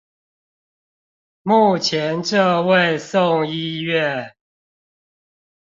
目前這位送醫院